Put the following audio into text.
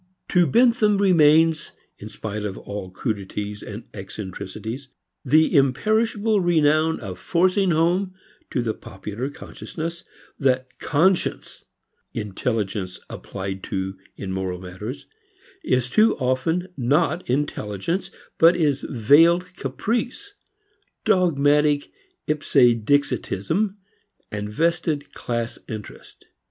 To Bentham remains, in spite of all crudities and eccentricities, the imperishable renown of forcing home to the popular consciousness that "conscience," intelligence applied to in moral matters, is too often not intelligence but is veiled caprice, dogmatic ipse dixitism, vested class interest.